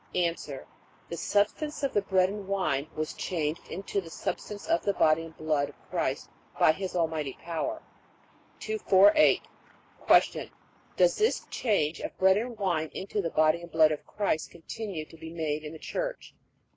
A. The substance of the bread and wine was changed into the substance of the body and blood of Christ by His almighty power. 248. Q. Does this change of bread and wine into the body and blood of Christ continue to be made in the Church?